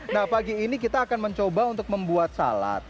nah pagi ini kita akan mencoba untuk membuat salad